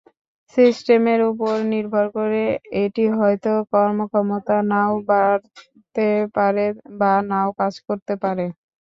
সিস্টেমের উপর নির্ভর করে, এটি হয়ত কর্মক্ষমতা নাও বাড়াতে পারে বা নাও কাজ করতে পারে।